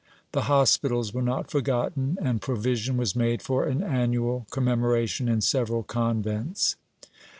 The hospitals were not forgotten, and provision was made for an annual com memoration in several convents.